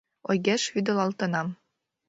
Ойгеш вӱдылалтынам.